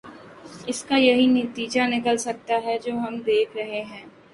اس کا یہی نتیجہ نکل سکتا ہے جو ہم دیکھ رہے ہیں۔